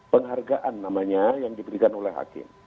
penghargaan namanya yang diberikan oleh hakim